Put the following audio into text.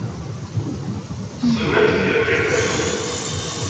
Ssnen amek ay tga jihennama.